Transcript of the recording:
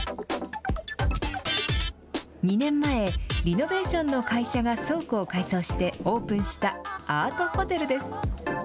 ２年前、リノベーションの会社が倉庫を改装してオープンしたアートホテルです。